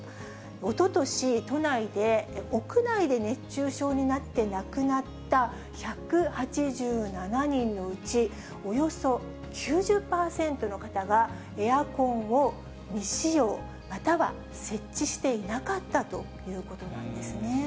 おととし、都内で屋内で熱中症になって亡くなった１８７人のうち、およそ９０％の方がエアコンを未使用、または設置していなかったということなんですね。